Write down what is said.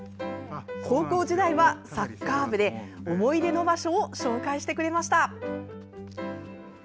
高校時代はサッカー部で思い出の場所を紹介してくれました。